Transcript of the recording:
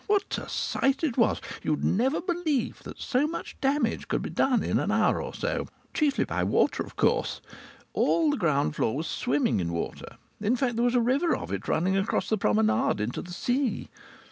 What a sight it was! You'd never believe that so much damage could be done in an hour or so. Chiefly by water, of course. All the ground floor was swimming in water. In fact there was a river of it running across the promenade into the sea.